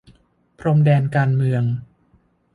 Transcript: พรมแดนการเมือง